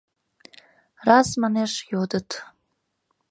Раз, манеш, йодыт.